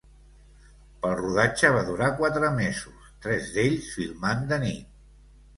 Pel rodatge va durar quatre mesos, tres d'ells filmant de nit.